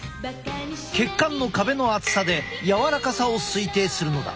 血管の壁の厚さで柔らかさを推定するのだ。